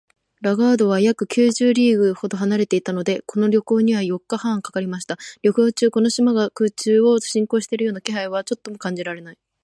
ラガードは約九十リーグほど離れていたので、この旅行には四日半かかりました。旅行中、この島が空中を進行しているような気配はちょっとも感じられない